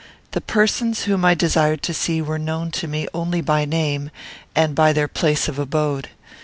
The persons whom I desired to see were known to me only by name, and by their place of abode.